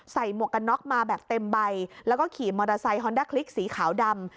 หมวกกันน็อกมาแบบเต็มใบแล้วก็ขี่มอเตอร์ไซคอนด้าคลิกสีขาวดำ